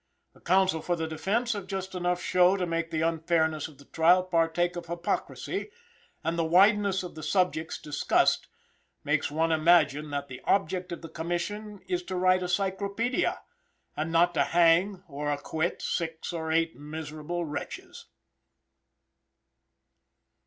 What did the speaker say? The counsel for the defence have just enough show to make the unfairness of the trial partake of hypocrisy, and the wideness of the subjects discussed makes one imagine that the object of the commission is to write a cyclopedia, and not to hang or acquit six or eight miserable wretches.